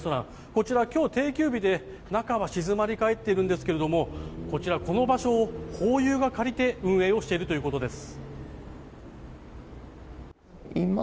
こちらは今日は定休日で中は静まり返っているんですがこちら、この場所をホーユーが借りて運営をしているということです。